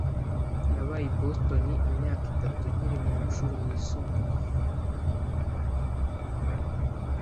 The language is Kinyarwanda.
Nabaye i Boston imyaka itatu nkiri mu mashuri yisumbuye.